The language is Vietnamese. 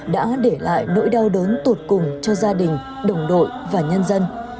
đã để lại nỗi đau đớn tụt cùng cho gia đình đồng đội và nhân dân